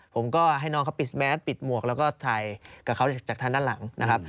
ผมก็ให้น้องเขาปิดแมสปิดหมวกแล้วก็ถ่ายกับเขาจากทางด้านหลังนะครับ